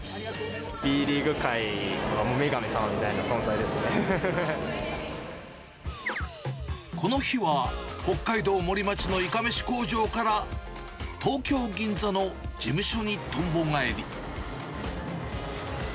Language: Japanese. Ｂリーグ界の女神様みたいなこの日は、北海道森町のいかめし工場から、東京・銀座の事務所にとんぼ返り。